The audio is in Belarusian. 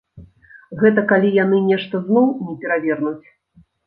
Гэта калі яны нешта зноў не перавернуць.